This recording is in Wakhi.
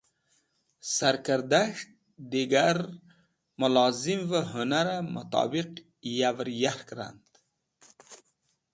Sarkẽrdas̃h digar mẽlozimvẽ hũnarẽ mutobiq yavẽr yark rand.